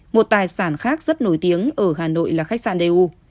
một tài sản khác rất nổi tiếng ở hà nội là khách sạn đê u